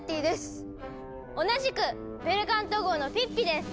同じくベルカント号のピッピです！